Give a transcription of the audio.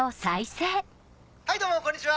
はいどうもこんにちは！